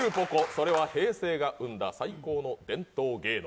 それは平成が産んだ最高の伝統芸能。